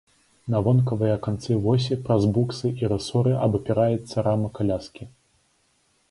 На вонкавыя канцы восі праз буксы і рысоры абапіраецца рама каляскі.